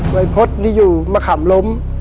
วัยพฤษนี่อยู่มะขำล้ม